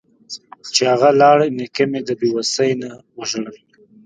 چې اغه لاړ نيکه مې د بې وسۍ نه وژړل.